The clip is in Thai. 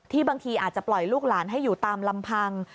บางทีอาจจะปล่อยลูกหลานให้อยู่ตามลำพัง